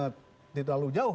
tidak terlalu jauh